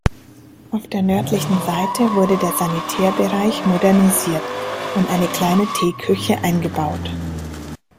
Auf der nördlichen Seite wurde der Sanitärbereich modernisiert und eine kleine Teeküche eingebaut.